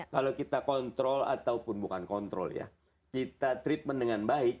kalau kita kontrol ataupun bukan kontrol ya kita treatment dengan baik